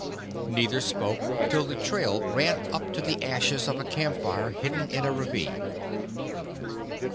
Neither spoke till the trail ran up to the ashes of a camp fire hidden in a ravine.